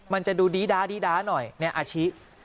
มันจะดูดีด้าหน่อยนี่อาชี้